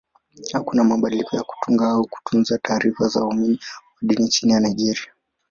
Hakuna makubaliano ya kutunga au kutunza taarifa za waumini wa dini nchini Nigeria.